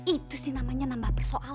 itu sih namanya nambah persoalan